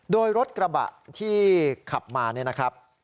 โดยรถกระบะที่ขับมาเนี่ยนะครับ